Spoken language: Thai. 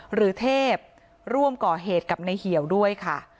หรือเทพร่วมก่อเหตุกับในเหี่ยวด้วยค่ะ